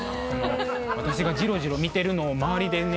私がじろじろ見てるのを周りでね